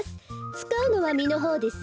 つかうのはみのほうですよ。